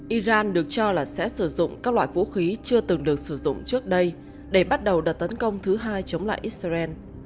iran được cho là sẽ sử dụng các loại vũ khí chưa từng được sử dụng trước đây để bắt đầu đợt tấn công thứ hai chống lại israel